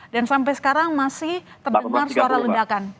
dan sampai sekarang masih terdengar suara ledakan